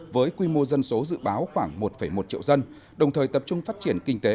với quy mô dân số dự báo khoảng một một triệu dân đồng thời tập trung phát triển kinh tế